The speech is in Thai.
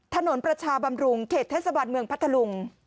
ถนนประชาบำรุงเขตเทศบาลเมืองพัทธลุง